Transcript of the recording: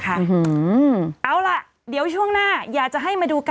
กรมป้องกันแล้วก็บรรเทาสาธารณภัยนะคะ